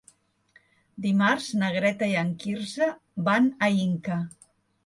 Dimarts na Greta i en Quirze van a Inca.